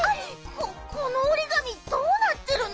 ここのおりがみどうなってるの？